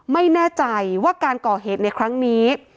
ไม่แน่ใจว่าการก่อเหตุในครั้งนี้